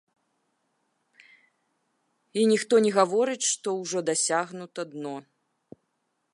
І ніхто не гаворыць, што ўжо дасягнута дно.